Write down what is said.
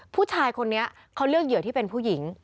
ผู้ชายคนนี้เขาเลือกเหยื่อที่เป็นผู้หญิง